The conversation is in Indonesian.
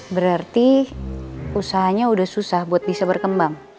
berarti usahanya sudah susah buat bisa berkembang